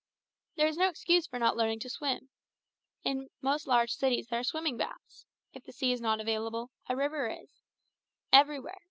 There is no excuse for not learning to swim. In most large cities there are swimming baths; if the sea is not available, a river is, everywhere.